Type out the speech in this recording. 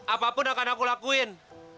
apapun akan aku lakuin